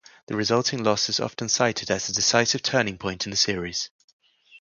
The resulting loss is often cited as the decisive turning point in the series.